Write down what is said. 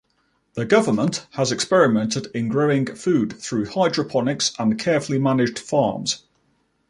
The government has experimented in growing food through hydroponics and carefully managed farms.